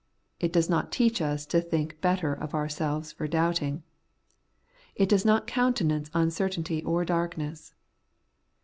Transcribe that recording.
It does not teach us to think better of ourselves for doubting. It does not countenance uncertainty or darkness.